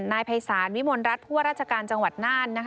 นายภัยศาลวิมลรัฐผู้ว่าราชการจังหวัดน่าน